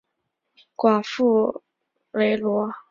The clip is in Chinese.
寡妇榧螺为榧螺科榧螺属下的一个种。